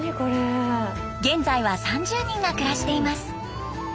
現在は３０人が暮らしています。